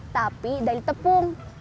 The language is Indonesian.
tapi dari tepung